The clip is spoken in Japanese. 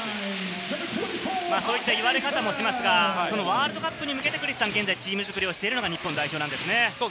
そういった言われ方もしますが、ワールドカップに向けて現在、チーム作りをしているのが日本代表ですね。